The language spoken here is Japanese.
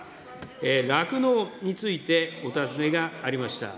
酪農についてお尋ねがありました。